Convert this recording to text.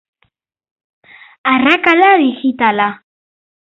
Arrakala digitala.